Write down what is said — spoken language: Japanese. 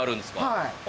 はい。